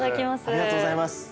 ありがとうございます。